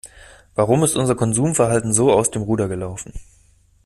Warum ist unser Konsumverhalten so aus dem Ruder gelaufen?